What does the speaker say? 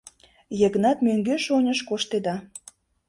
Йыгнат мӧҥгеш-оньыш коштеда.